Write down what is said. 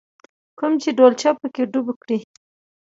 کوم چې ډولچه په کې ډوب کړې.